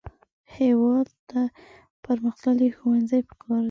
هېواد ته پرمختللي ښوونځي پکار دي